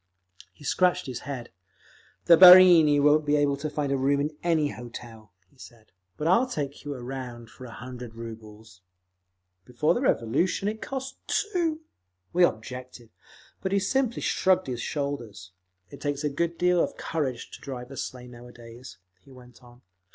He scratched his head. "The barini won't be able to find a room in any hotel," he said. "But I'll take you around for a hundred rubles…." Before the Revolution it cost two! We objected, but he simply shrugged his shoulders. "It takes a good deal of courage to drive a sleigh nowadays," he went on.